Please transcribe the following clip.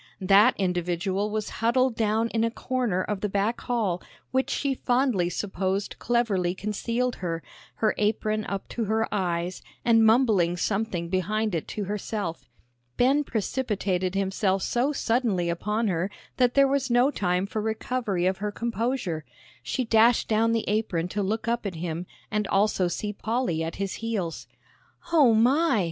That individual was huddled down in a corner of the back hall which she fondly supposed cleverly concealed her, her apron up to her eyes, and mumbling something behind it to herself. Ben precipitated himself so suddenly upon her that there was no time for recovery of her composure. She dashed down the apron to look up at him and also see Polly at his heels. "O my!"